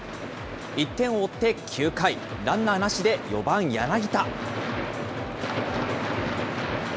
１点を追って９回、ランナーなしで４番柳田。